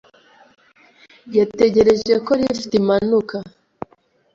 Yategereje ko lift imanuka.